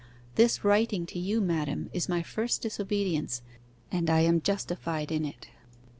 This writing to you, madam, is my first disobedience, and I am justified in it.